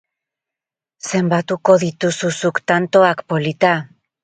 Zenbatuko dituzu zuk tantoak, polita?